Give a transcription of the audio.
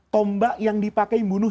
tombak yang dipakai bunuh